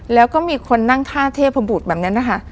แล้วก็มีคนนั่งท่าเทพบุตรแบบนั้นนะคะ